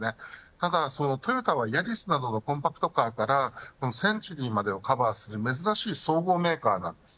ただトヨタは、ヤリスなどのコンパクトカーからセンチュリーまでをカバーする珍しい総合メーカーなんです。